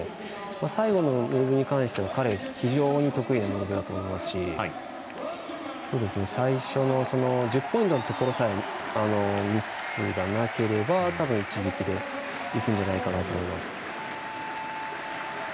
最後のムーブに関しては非常に得意なムーブだと思いますし最初の１０ポイントのところさえミスがなければ多分、一撃でいけるんじゃないかなと思います。